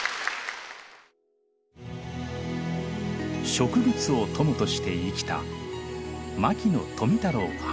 植物を友として生きた牧野富太郎博士。